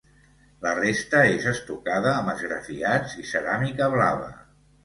La resta és estucada amb esgrafiats i ceràmica blava.